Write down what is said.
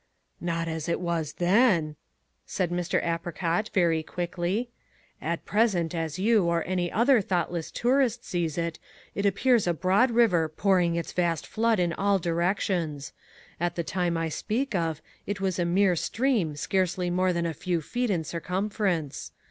"Not as it was THEN," said Mr. Apricot very quickly. "At present as you, or any other thoughtless tourist sees it, it appears a broad river pouring its vast flood in all directions. At the time I speak of it was a mere stream scarcely more than a few feet in circumference.